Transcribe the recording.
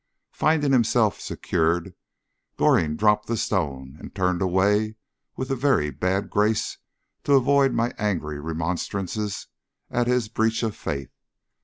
Finding himself secured Goring dropped the stone and turned away with a very bad grace to avoid my angry remonstrances at his breach of faith.